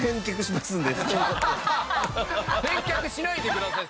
返却しないでください。